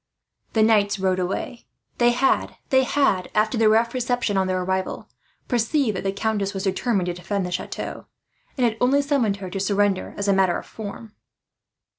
The knights rode away. They had, after the rough reception on their arrival, perceived that the countess was determined to defend the chateau, and had only summoned her to surrender as a matter of form.